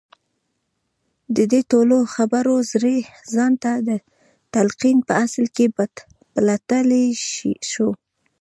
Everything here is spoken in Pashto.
د دې ټولو خبرو زړی ځان ته د تلقين په اصل کې پلټلای شو.